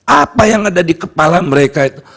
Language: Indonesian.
apa yang ada di kepala mereka itu